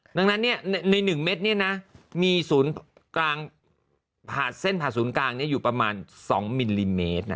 ดังนั้นใน๑เมตรมีศูนย์กลางเส้นผ่าศูนย์กลางอยู่ประมาณ๒มิลลิเมตร